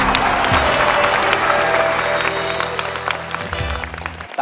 ไม่ใช้จ้ะ